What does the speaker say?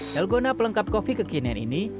telgona pelengkap kopi kekinian ini